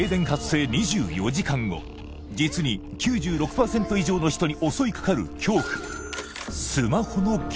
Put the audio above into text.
実に９６％以上の人に襲いかかる恐怖